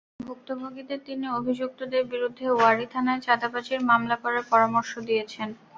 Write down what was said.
ভুক্তভোগীদের তিনি অভিযুক্তদের বিরুদ্ধে ওয়ারী থানায় চাঁদাবাজির মামলা করার পরামর্শ দিয়েছেন।